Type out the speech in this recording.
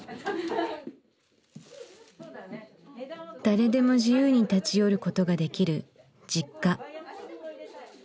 誰でも自由に立ち寄ることができるＪｉｋｋａ。